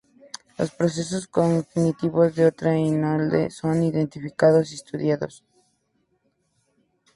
Los procesos cognitivos y de otra índole son identificados y estudiados.